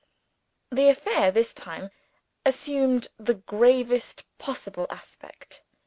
The affair, this time, assumed the gravest possible aspect.